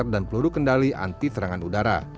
dan peluru kendali anti serangan udara